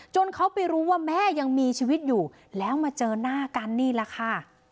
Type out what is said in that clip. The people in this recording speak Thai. เขาไปรู้ว่าแม่ยังมีชีวิตอยู่แล้วมาเจอหน้ากันนี่แหละค่ะ